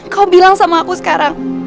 kau bilang sama aku sekarang